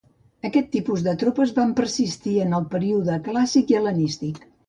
Aquest tipus de tropes van persistir en el període clàssic i hel·lenístic.